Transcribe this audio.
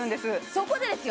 そこでですよ